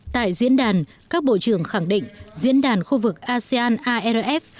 tại diễn đàn các bộ trưởng khẳng định diễn đàn khu vực asean arf